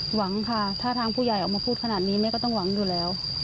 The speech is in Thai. หวังค่ะถ้าทางผู้ใหญ่ออกมาพูดขนาดนี้แม่ก็ต้องหวังอยู่แล้ว